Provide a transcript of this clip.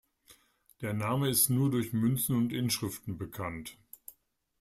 Der Name ist nur durch Münzen und Inschriften bekannt.